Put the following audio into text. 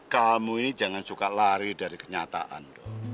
kamu ini jangan suka lari dari kenyataan